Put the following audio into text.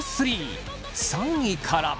３位から。